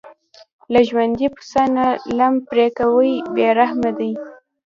له ژوندي پسه نه لم پرې کوي بې رحمه دي.